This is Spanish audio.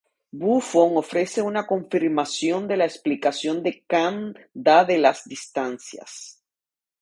Buffon ofrece una confirmación de la explicación que Kant da de las distancias.